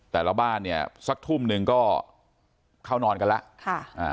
แต่ละบ้านเนี่ยสักทุ่มหนึ่งก็เข้านอนกันแล้วค่ะอ่า